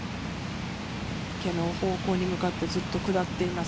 池の方向に向かって下っています。